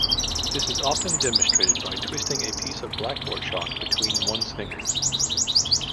This is often demonstrated by twisting a piece of blackboard chalk between one's fingers.